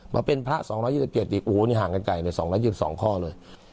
มาเป็นพระ๒๒๗อีกโอ้โหนี่ห่างกันไกล๒๒ข้อเลย